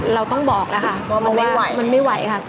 เราต้องบอกนะคะว่ามันไม่ไหวค่ะ